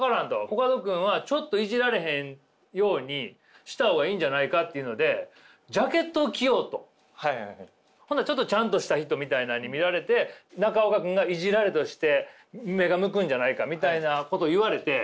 コカド君はちょっとイジられへんようにした方がいいんじゃないかっていうのでほなちょっとちゃんとした人みたいなんに見られて中岡君がイジられとして目が向くんじゃないかみたいなこと言われて。